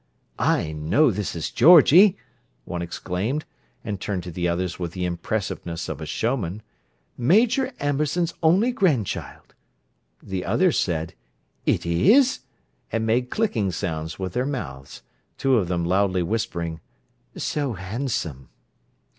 "I know this is Georgie!" one exclaimed, and turned to the others with the impressiveness of a showman. "Major Amberson's only grandchild!" The others said, "It is?" and made clicking sounds with their mouths; two of them loudly whispering, "So handsome!"